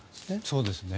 そうですね。